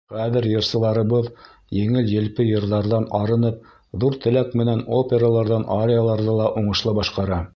Хәҙер йырсыларыбыҙ еңел-елпе йырҙарҙан арынып, ҙур теләк менән операларҙан арияларҙы ла уңышлы башҡара.